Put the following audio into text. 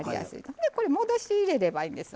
でこれ戻し入れればいいんですわ全部。